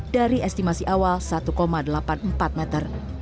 dari estimasi awal satu delapan puluh empat meter